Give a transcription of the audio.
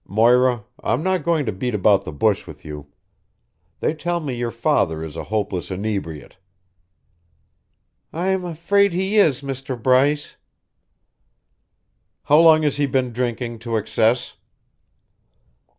Moira, I'm not going to beat about the bush with you. They tell me your father is a hopeless inebriate." "I'm afraid he is, Mr. Bryce." "How long has he been drinking to excess?"